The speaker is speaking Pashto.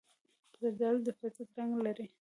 زردالو د فطرت رنګ لري.